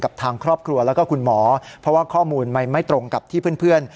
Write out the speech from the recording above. กับทางครอบครัวแล้วก็คุณหมอเพราะว่าข้อมูลมันไม่ตรงกับที่เพื่อน